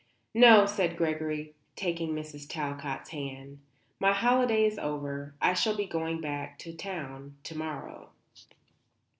"No," said Gregory taking Mrs. Talcott's hand. "My holiday is over. I shall be going back to town to morrow."